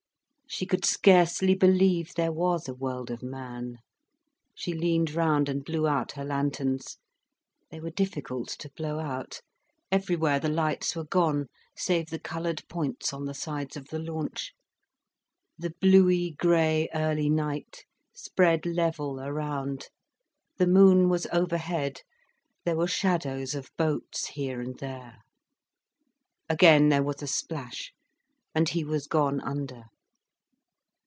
She could scarcely believe there was a world of man. She leaned round and blew out her lanterns. They were difficult to blow out. Everywhere the lights were gone save the coloured points on the sides of the launch. The bluey grey, early night spread level around, the moon was overhead, there were shadows of boats here and there. Again there was a splash, and he was gone under.